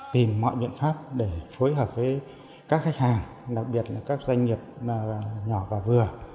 tìm mọi biện pháp để phối hợp với các khách hàng đặc biệt là các doanh nghiệp nhỏ và vừa